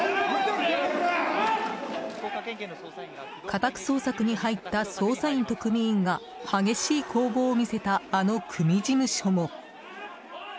家宅捜索に入った捜査員と組員が激しい攻防を見せたあの組事務所も。